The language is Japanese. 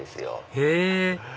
へぇ！